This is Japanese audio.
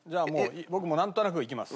僕もなんとなくいきます。